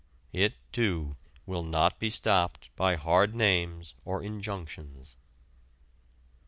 It, too, will not be stopped by hard names or injunctions.